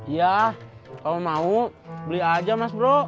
ya kamu mau beli aja mas bro